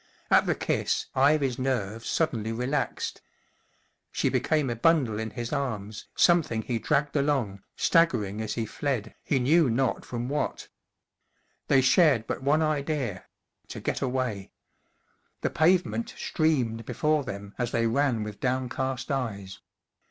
At the kiss Ivy's nerves suddenly relaxed. She became a bundle in his arms, something he dragged along, staggering as he fled, he knew not from what. They shared but one idea : to get away. The pavement streamed before them as they ran with downcast eyes.